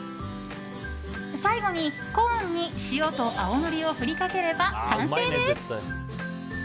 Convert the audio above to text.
最後にコーンに塩と青のりを振りかければ完成です。